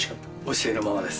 教えのままです。